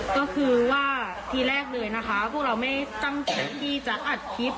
ก็คือว่าทีแรกเลยนะคะพวกเราไม่ตั้งใจที่จะอัดคลิป